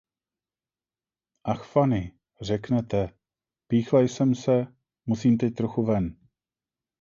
Ach Fany, řeknete, píchla jsem se, musím teď trochu ven.